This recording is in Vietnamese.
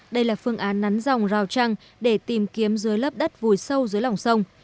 đây là phương án nắn dòng rào trăng để tìm kiếm dưới lớp đất vùi sâu dưới lòng sông